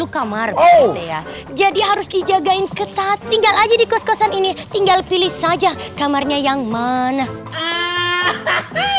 enam puluh kamar pak rt ya jadi harus dijagain ketat tinggal aja di kos kosan ini tinggal pilih saja kamarnya yang mana ya